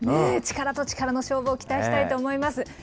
力と力の勝負を期待したいと思います。